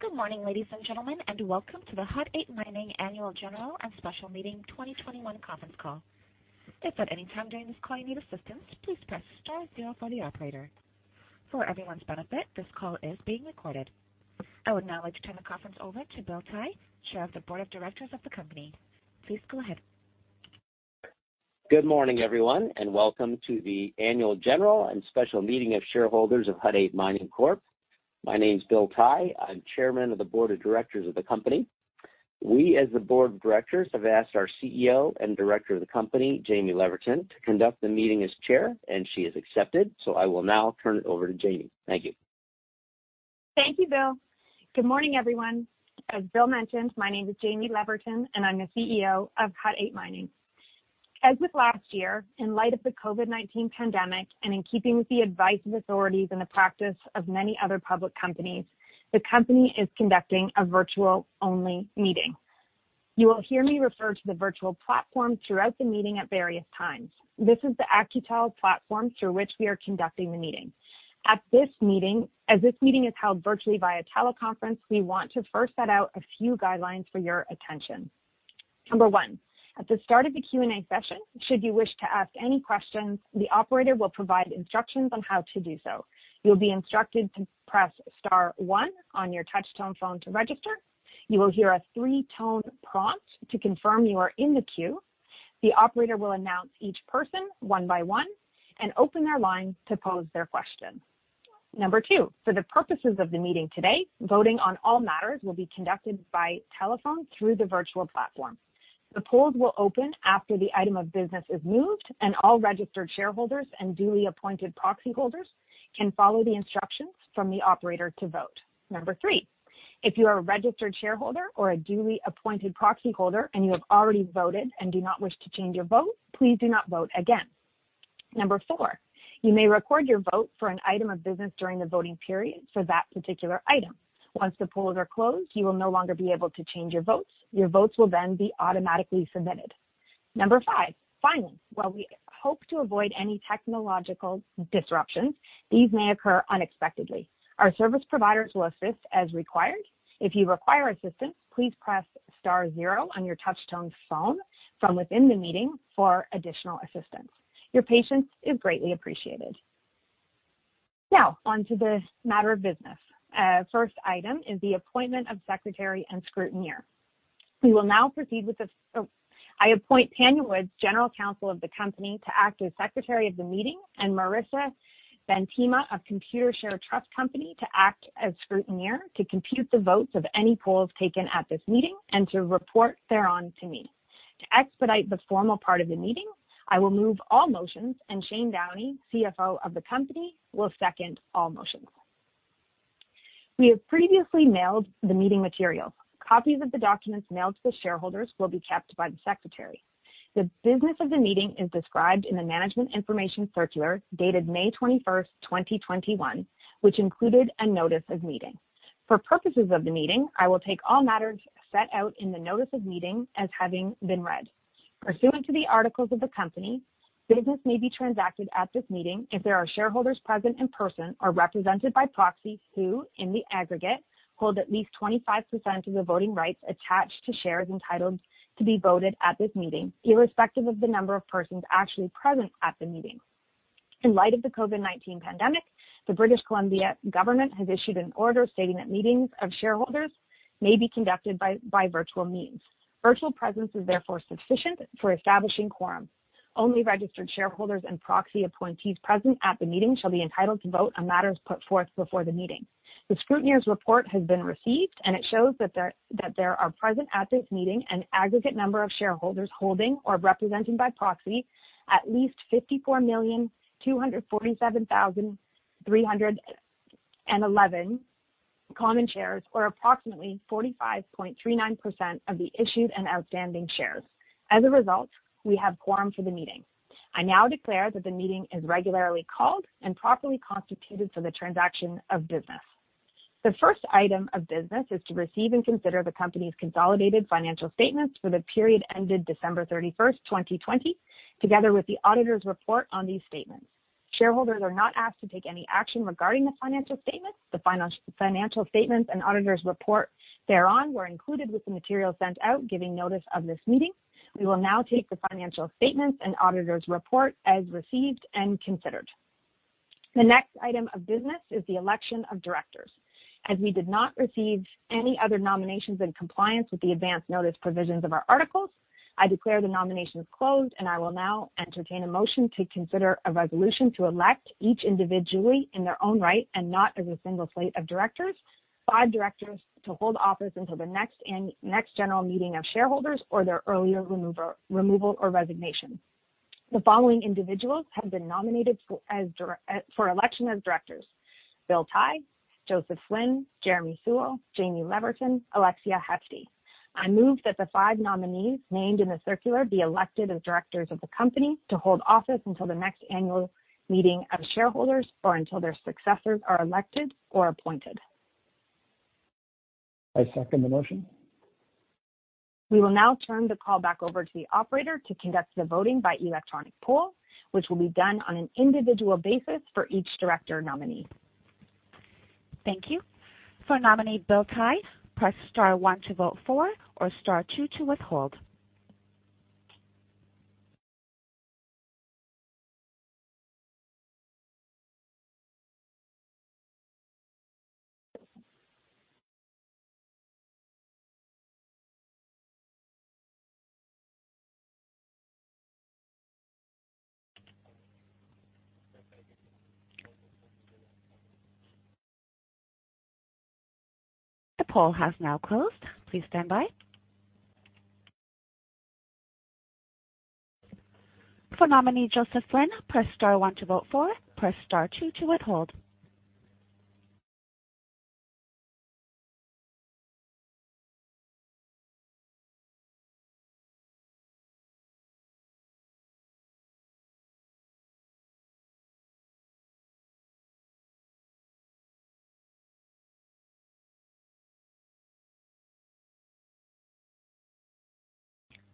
Good morning, ladies and gentlemen, and welcome to the Hut 8 Mining Annual General and Special Meeting 2021 conference call. If at any time during this call you need assistance, please press star zero for the operator. For everyone's benefit, this call is being recorded. I would now like to turn the conference over to Bill Tai, Chair of the Board of Directors of the company. Please go ahead. Good morning, everyone, and welcome to the Annual General and Special Meeting of Shareholders of Hut 8 Mining Corp. My name's Bill Tai. I'm Chairman of the Board of Directors of the company. We, as the board of directors, have asked our CEO and director of the company, Jaime Leverton, to conduct the meeting as Chair, and she has accepted. I will now turn it over to Jaime. Thank you. Thank you, Bill. Good morning, everyone. As Bill mentioned, my name is Jaime Leverton, and I'm the CEO of Hut 8 Mining. As with last year, in light of the COVID-19 pandemic, and in keeping with the advice of authorities and the practice of many other public companies, the company is conducting a virtual-only meeting. You will hear me refer to the virtual platform throughout the meeting at various times. This is the Agile platform through which we are conducting the meeting. As this meeting is held virtually via teleconference, we want to first set out a few guidelines for your attention. Number one, at the start of the Q&A session, should you wish to ask any questions, the operator will provide instructions on how to do so. You'll be instructed to press star one on your touchtone phone to register. Number 2, for the purposes of the meeting today, voting on all matters will be conducted by telephone through the virtual platform. The polls will open after the item of business is moved, and all registered shareholders and duly appointed proxy holders can follow the instructions from the operator to vote. Number 3, if you are a registered shareholder or a duly appointed proxy holder and you have already voted and do not wish to change your vote, please do not vote again. Number 4, you may record your vote for an item of business during the voting period for that particular item. Once the polls are closed, you will no longer be able to change your votes. Your votes will be automatically submitted. Number 5, finally, while we hope to avoid any technological disruptions, these may occur unexpectedly. Our service providers will assist as required. If you require assistance, please press star zero on your touchtone phone from within the meeting for additional assistance. Your patience is greatly appreciated. On to this matter of business. First item is the appointment of Secretary and Scrutineer. I appoint Tanya Woods, General Counsel of the company, to act as Secretary of the meeting and Marissa Bentima of Computershare Trust Company of Canada to act as Scrutineer to compute the votes of any polls taken at this meeting and to report thereon to me. To expedite the formal part of the meeting, I will move all motions, Shane Downey, CFO of the company, will second all motions. We have previously mailed the meeting materials. Copies of the documents mailed to shareholders will be kept by the Secretary. The business of the meeting is described in the management information circular dated May 21st, 2021, which included a notice of meeting. For purposes of the meeting, I will take all matters set out in the notice of meeting as having been read. Pursuant to the articles of the company, business may be transacted at this meeting if there are shareholders present in person or represented by proxy who, in the aggregate, hold at least 25% of the voting rights attached to shares entitled to be voted at this meeting, irrespective of the number of persons actually present at the meeting. In light of the COVID-19 pandemic, the British Columbia government has issued an order stating that meetings of shareholders may be conducted by virtual means. Virtual presence is therefore sufficient for establishing quorum. Only registered shareholders and proxy appointees present at the meeting shall be entitled to vote on matters put forth before the meeting. The scrutineer's report has been received, and it shows that there are present at this meeting an aggregate number of shareholders holding or represented by proxy at least 54,247,311 common shares, or approximately 45.39% of the issued and outstanding shares. As a result, we have quorum for the meeting. I now declare that the meeting is regularly called and properly constituted for the transaction of business. The first item of business is to receive and consider the company's consolidated financial statements for the period ended December 31st, 2020, together with the auditor's report on these statements. Shareholders are not asked to take any action regarding the financial statements. The financial statements and auditor's report thereon were included with the material sent out giving notice of this meeting. We will now take the financial statements and auditor's report as received and considered. The next item of business is the election of directors. As we did not receive any other nominations in compliance with the advance notice provisions of our articles, I declare the nominations closed, and I will now entertain a motion to consider a resolution to elect, each individually in their own right and not as a single slate of directors, five directors to hold office until the next general meeting of shareholders or their earlier removal or resignation. The following individuals have been nominated for election as directors: Bill Tai, Joseph Flinn, Jeremy Sewell, Jaime Leverton, Alexia Hefti. I move that the five nominees named in the circular be elected as directors of the company to hold office until the next annual meeting of shareholders or until their successors are elected or appointed. I second the motion. We will now turn the call back over to the operator to conduct the voting by electronic poll, which will be done on an individual basis for each director nominee. Thank you. For nominee Bill Tai, press star one to vote for, or star two to withhold. The poll has now closed. Please stand by. For nominee Joseph Flinn, press star one to vote for, press star two to withhold.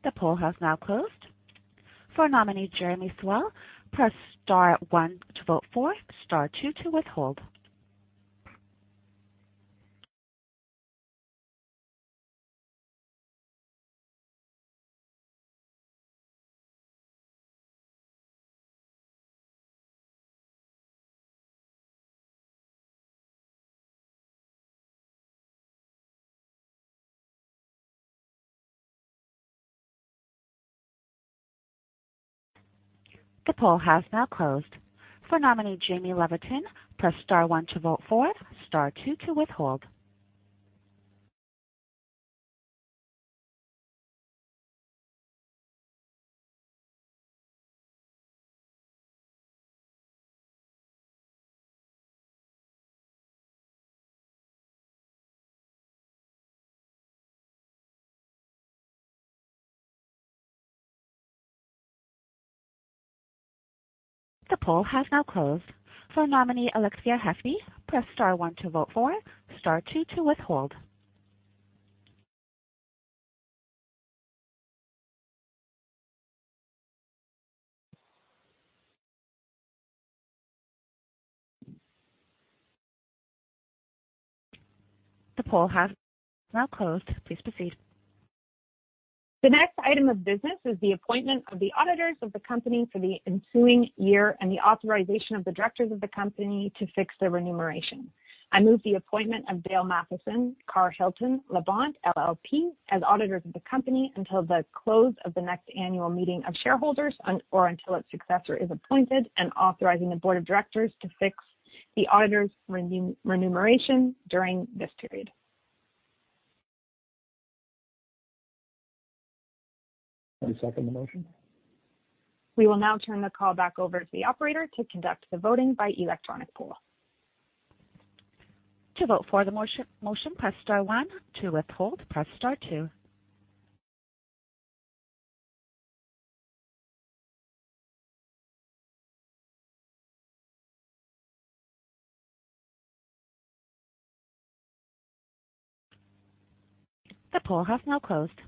The poll has now closed. For nominee Jeremy Sewell, press star one to vote for, star two to withhold. The poll has now closed. For nominee Jaime Leverton, press star one to vote for, star two to withhold. The poll has now closed. For nominee Alexia Hefti, press star one to vote for, star two to withhold. The poll has now closed. Please proceed. The next item of business is the appointment of the auditors of the company for the ensuing year and the authorization of the directors of the company to fix their remuneration. I move the appointment of Dale Matheson Carr-Hilton Labonte LLP as auditors of the company until the close of the next annual meeting of shareholders or until its successor is appointed and authorizing the Board of Directors to fix the auditor's remuneration during this period. I second the motion. We will now turn the call back over to the operator to conduct the voting by electronic poll. To vote for the motion, press star one. To withhold, press star two. The poll has now closed.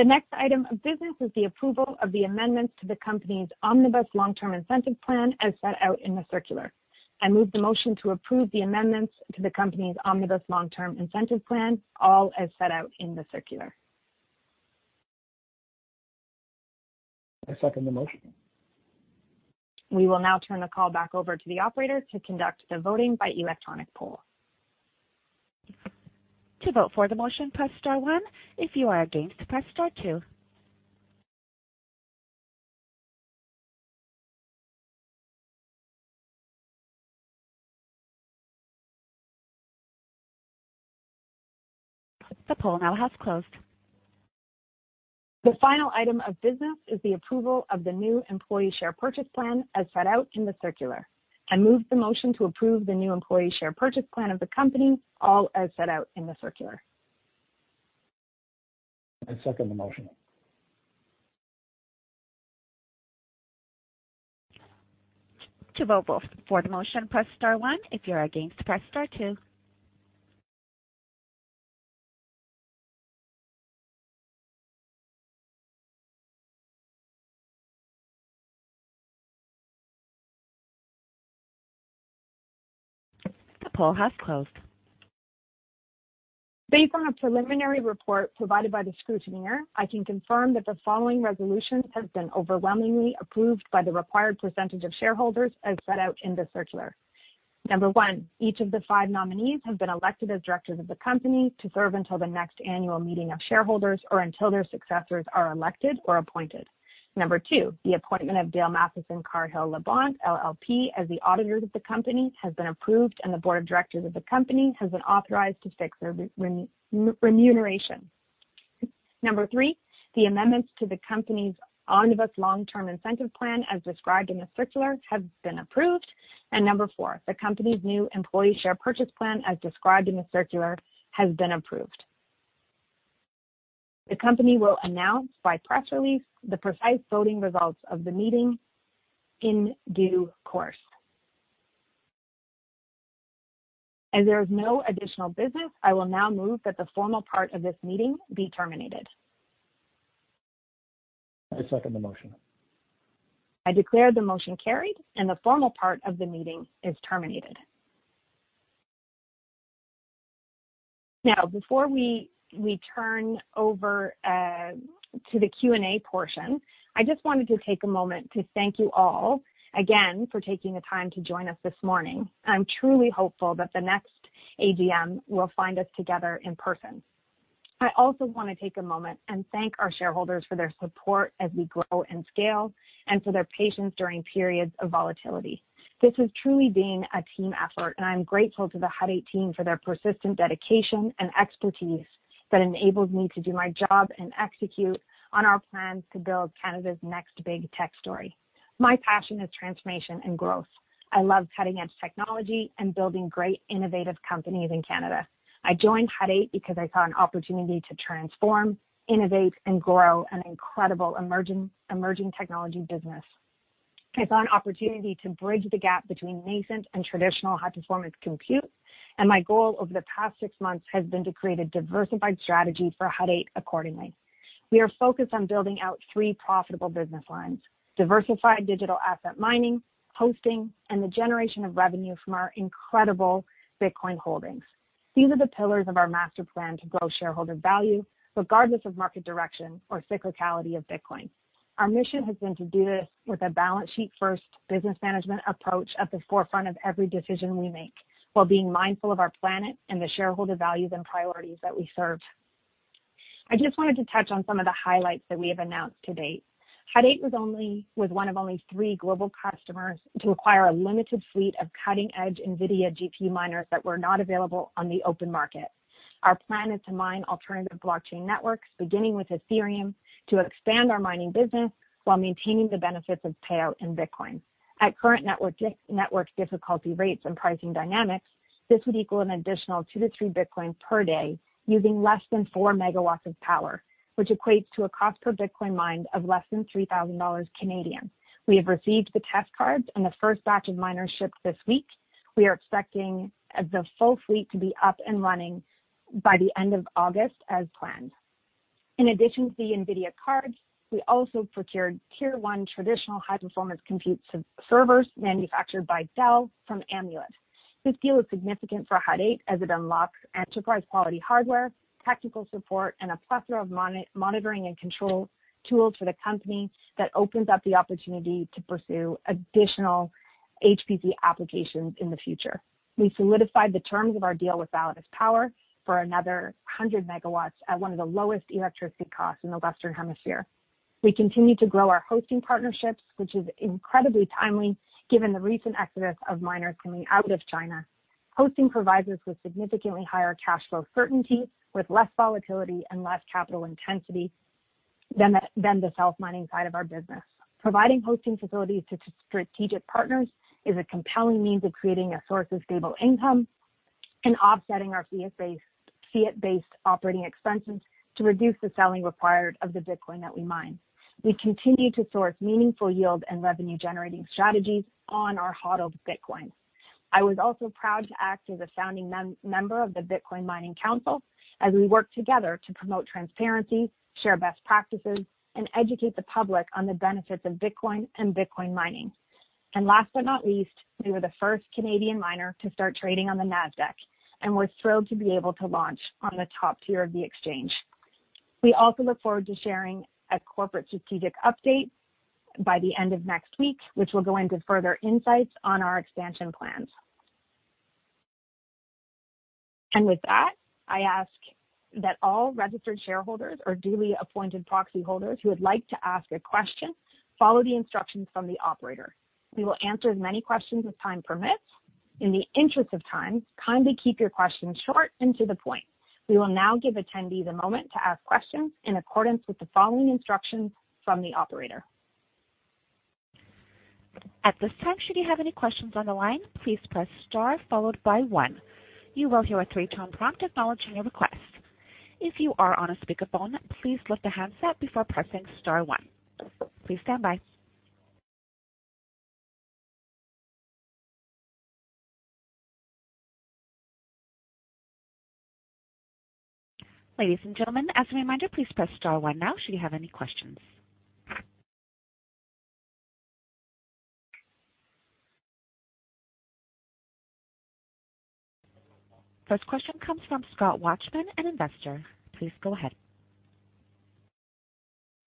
The next item of business is the approval of the amendments to the company's omnibus long-term incentive plan as set out in the circular. I move the motion to approve the amendments to the company's omnibus long-term incentive plan, all as set out in the circular. I second the motion. We will now turn the call back over to the operator to conduct the voting by electronic poll. To vote for the motion, press star one. If you are against, press star two. The poll now has closed. The final item of business is the approval of the new employee share purchase plan as set out in the circular. I move the motion to approve the new employee share purchase plan of the company, all as set out in the circular. I second the motion. To vote for the motion, press star one. If you are against, press star two. The poll has closed. Based on a preliminary report provided by the scrutineer, I can confirm that the following resolutions have been overwhelmingly approved by the required percentage of shareholders as set out in the circular. Number one, each of the five nominees have been elected as directors of the company to serve until the next annual meeting of shareholders or until their successors are elected or appointed. Number two, the appointment of Dale Matheson Carr-Hilton Labonte LLP as the auditor of the company has been approved and the board of directors of the company has been authorized to fix their remuneration. Number three, the amendments to the company's omnibus long-term incentive plan as described in the circular have been approved. Number four, the company's new employee share purchase plan as described in the circular has been approved. The company will announce by press release the precise voting results of the meeting in due course. As there is no additional business, I will now move that the formal part of this meeting be terminated. I second the motion. I declare the motion carried and the formal part of the meeting is terminated. Before we turn over to the Q&A portion, I just wanted to take a moment to thank you all again for taking the time to join us this morning. I'm truly hopeful that the next AGM will find us together in person. I also want to take a moment and thank our shareholders for their support as we grow and scale and for their patience during periods of volatility. This has truly been a team effort, and I'm grateful to the Hut 8 team for their persistent dedication and expertise that enabled me to do my job and execute on our plans to build Canada's next big tech story. My passion is transformation and growth. I love cutting-edge technology and building great, innovative companies in Canada. I joined Hut 8 because I saw an opportunity to transform, innovate, and grow an incredible emerging technology business. I saw an opportunity to bridge the gap between nascent and traditional high-performance compute. My goal over the past six months has been to create a diversified strategy for Hut 8 accordingly. We are focused on building out three profitable business lines, diversified digital asset mining, hosting, and the generation of revenue from our incredible Bitcoin holdings. These are the pillars of our master plan to grow shareholder value regardless of market direction or cyclicality of Bitcoin. Our mission has been to do this with a balance sheet first business management approach at the forefront of every decision we make, while being mindful of our planet and the shareholder values and priorities that we serve. I just wanted to touch on some of the highlights that we have announced to date. Hut 8 was one of only three global customers to acquire a limited fleet of cutting-edge NVIDIA GPU miners that were not available on the open market. Our plan is to mine alternative blockchain networks, beginning with Ethereum, to expand our mining business while maintaining the benefits of payout in Bitcoin. At current network difficulty rates and pricing dynamics, this would equal an additional two to three Bitcoins per day using less than four MW of power, which equates to a cost per Bitcoin mined of less than 3,000 Canadian dollars. We have received the graphics cards and the first batch of miners shipped this week. We are expecting the full fleet to be up and running by the end of August as planned. In addition to the NVIDIA cards, we also procured Tier 1 traditional high-performance compute servers manufactured by Dell from Amulet. This deal is significant for Hut 8 as it unlocks enterprise-quality hardware, technical support, and a plethora of monitoring and control tools for the company that opens up the opportunity to pursue additional HPC applications in the future. We solidified the terms of our deal with Validus Power for another 100 megawatts at one of the lowest electricity costs in the Western Hemisphere. We continue to grow our hosting partnerships, which is incredibly timely given the recent exodus of miners coming out of China. Hosting provides us with significantly higher cash flow certainty with less volatility and less capital intensity than the self-mining side of our business. Providing hosting facilities to strategic partners is a compelling means of creating a source of stable income and offsetting our fiat-based operating expenses to reduce the selling required of the Bitcoin that we mine. We continue to source meaningful yield and revenue-generating strategies on our hoarded Bitcoin. I was also proud to act as a founding member of the Bitcoin Mining Council as we work together to promote transparency, share best practices, and educate the public on the benefits of Bitcoin and Bitcoin mining. Last but not least, we were the first Canadian miner to start trading on the Nasdaq, and we're thrilled to be able to launch on the top tier of the exchange. We also look forward to sharing a corporate strategic update by the end of next week, which will go into further insights on our expansion plans. With that, I ask that all registered shareholders or duly appointed proxy holders who would like to ask a question, follow the instructions from the operator. We will answer as many questions as time permits. In the interest of time, kind to keep your questions short and to the point. We will now give attendees a moment to ask questions in accordance with the following instructions from the operator. Ladies and gentlemen, as a reminder, please press star one now should you have any questions. First question comes from Scott Watchman, an investor. Please go ahead.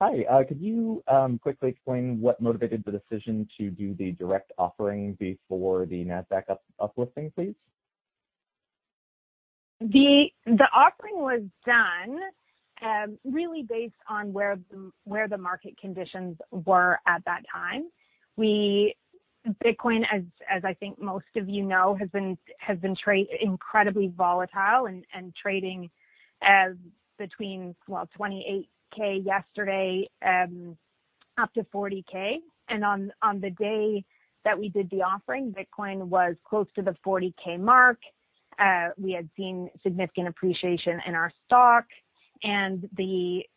Hi. Could you quickly explain what motivated the decision to do the direct offering before the Nasdaq uplisting, please? The offering was done really based on where the market conditions were at that time. Bitcoin, as I think most of you know, has been incredibly volatile and trading between, well, 28k yesterday up to 40k. On the day that we did the offering, Bitcoin was close to the 40k mark. We had seen significant appreciation in our stock, and we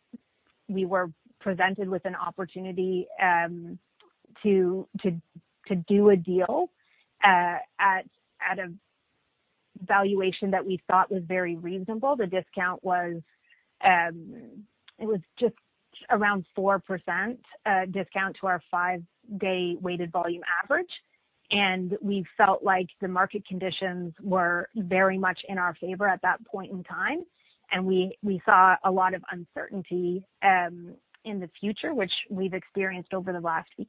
were presented with an opportunity to do a deal at a valuation that we thought was very reasonable. The discount was just around 4% discount to our 5-day weighted volume average, and we felt like the market conditions were very much in our favor at that point in time, and we saw a lot of uncertainty in the future, which we've experienced over the last week.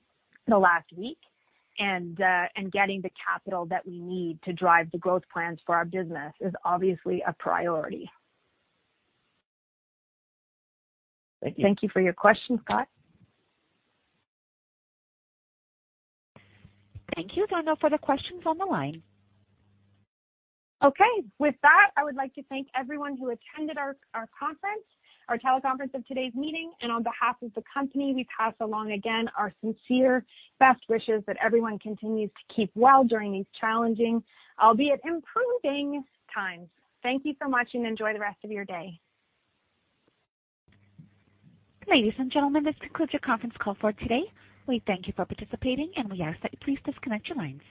Getting the capital that we need to drive the growth plans for our business is obviously a priority. Thank you for your question, Scott. Thank you. There are no further questions on the line. Okay. With that, I would like to thank everyone who attended our conference, our teleconference of today's meeting, and on behalf of the company, we pass along again our sincere best wishes that everyone continues to keep well during these challenging, albeit improving times. Thank you for watching. Enjoy the rest of your day. Ladies and gentlemen, this concludes your conference call for today. We thank you for participating, and we ask that you please disconnect your lines.